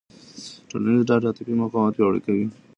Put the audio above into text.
ټولنیزه ډاډ عاطفي مقاومت پیاوړی کوي.